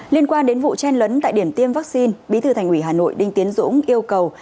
liên quan đến vụ chen lấn tại điểm tiêm vaccine bí thư thành ủy hà nội đinh tiến dũng yêu cầu